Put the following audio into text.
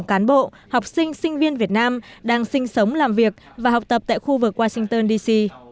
cán bộ học sinh sinh viên việt nam đang sinh sống làm việc và học tập tại khu vực washington d c